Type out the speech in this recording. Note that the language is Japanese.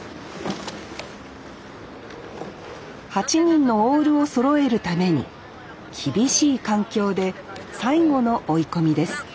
８人のオールをそろえるために厳しい環境で最後の追い込みです